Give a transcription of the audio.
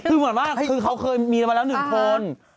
คือเหมือนว่าเค้าเคยมีแล้ว๑คน